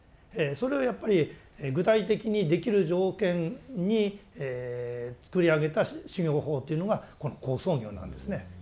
それをやっぱり具体的にできる条件に作り上げた修行法というのがこの好相行なんですね。